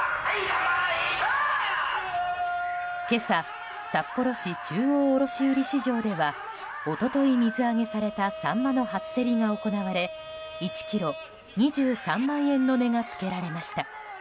今朝、札幌市中央卸売市場では一昨日水揚げされたサンマの初競りが行われ１ｋｇ、２３万円の値がつけられました。